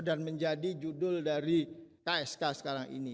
dan menjadi judul dari ksk sekarang ini